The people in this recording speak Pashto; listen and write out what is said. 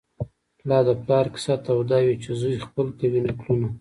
لا د پلار کیسه توده وي چي زوی خپل کوي نکلونه